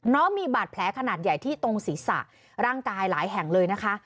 น้องมีบาดแผลขนาดใหญ่ที่ตรงศีรษะร่างกายหลายแห่งเลยนะคะ